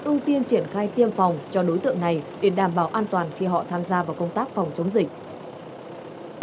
ưu tiên triển khai tiêm phòng cho đối tượng này để đảm bảo an toàn khi họ tham gia vào công tác phòng chống dịch